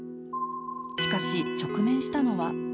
しかし、直面したのは。